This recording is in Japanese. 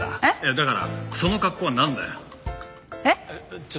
だからその格好はなんだよ？えっ？